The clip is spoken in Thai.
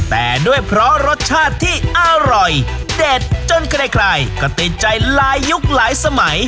แต่ด้วยเพราะรสชาติที่อร่อยเด็ดจนใครก็ติดใจลายยุคหลายสมัย